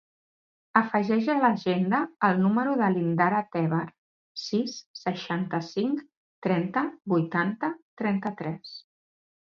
Afegeix a l'agenda el número de l'Indara Tebar: sis, seixanta-cinc, trenta, vuitanta, trenta-tres.